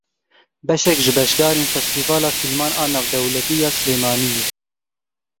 Beşek ji beşdarên Festîvala Fîlman a Navdewletî ya Silêmaniyê.